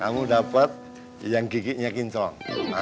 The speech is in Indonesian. kamu dapet yang giginya kincol